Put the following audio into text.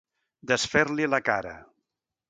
Desfer-li la cara.